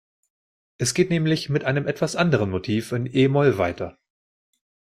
Es geht nämlich mit einem etwas anderen Motiv in e-Moll weiter.